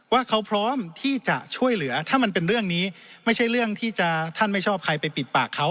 ว่าเขาพร้อมที่จะช่วยเหลือถ้ามันเป็นเรื่องนี้ไม่ใช่เรื่องที่จะท่านไม่ชอบใครไปปิดปากเขา